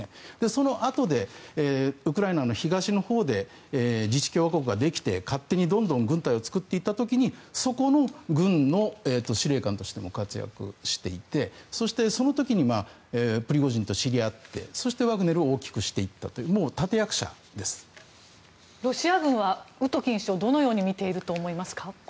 そのあとでウクライナの東のほうで自治共和国ができて勝手にどんどん軍隊ができていた時にそこの軍の司令官として活躍していてその時にプリゴジンと知り合ってそして、ワグネルを大きくしていったというロシア軍はウトキン氏をどのように見ていると思いますか？